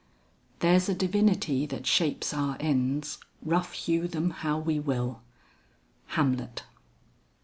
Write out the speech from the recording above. "There's a divinity that shapes our ends, Rough hew them how we will." HAMLET.